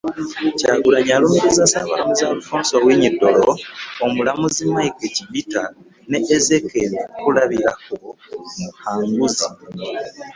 Kyagulanyi alumiriza Ssaabalamuzi Alfonse Owiny-Dollo, omulamuzi Mike Chibita ne Ezekiel Kurabiraho Muhanguzi